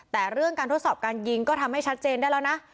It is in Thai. แต่เรื่องการทดสอบการยิงก็ทำให้ชัดเจนได้แล้วนะ